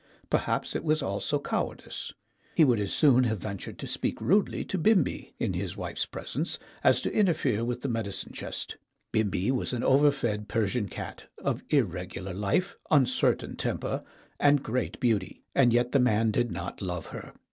Perhaps it was also coward ice ; he would as soon have ventured to speak rudely to Bimbi, in his wife's presence, as to interfere with the medicine chest. Bimbi was an overfed Persian cat, of irregular life, uncertain temper, and great beauty, and yet the man did not love her.